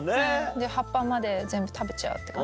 で葉っぱまで全部食べちゃうって感じで。